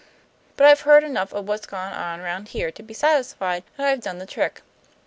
But I've heard enough of what's gone on round here to be satisfied that I've done the trick.